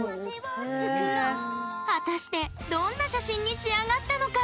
果たしてどんな写真に仕上がったのか？